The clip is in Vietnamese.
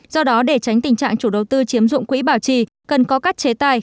do đó để tránh tình trạng chủ đầu tư chiếm dụng quỹ bảo trì cần có các chế tài